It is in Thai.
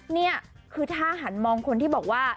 นี่คือถ้าหันมองคนที่บอกว่า